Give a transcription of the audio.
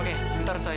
oke ntar saya siapkan